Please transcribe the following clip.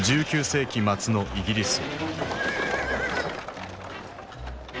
１９世紀末のイギリス。